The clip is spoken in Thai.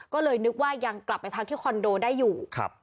ก็เลยนึกว่ายังกลับไปพักที่คอนโดได้อยู่